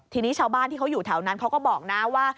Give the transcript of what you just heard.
ทีนี้ชาวบ้านที่เขาอยู่แถวนั้นเขาก็บอกนะว่า